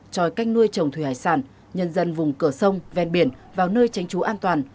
tròi canh nuôi trồng thủy hải sản nhân dân vùng cửa sông ven biển vào nơi tránh trú an toàn